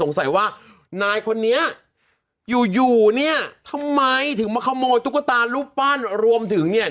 ที่ปั้นคิดว่านายคนนี้ยูงเนี่ยทำมั้ยถึงมาขโมยตุ๊กตารูปปั้นรวมถึงเนี่ย